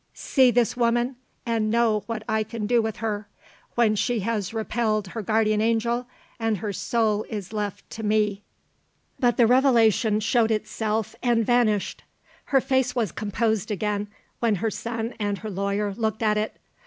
"See this woman, and know what I can do with her, when she has repelled her guardian angel, and her soul is left to ME." But the revelation showed itself, and vanished. Her face was composed again, when her son and her lawyer looked at it.